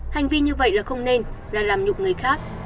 hành vi như vậy là không nên là làm nhục người khác